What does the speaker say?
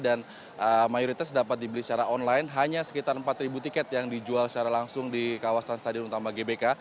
dan mayoritas dapat dibeli secara online hanya sekitar empat ribu tiket yang dijual secara langsung di kawasan stadion utama gbk